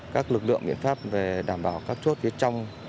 các lực lượng miễn pháp đảm bảo các chốt trong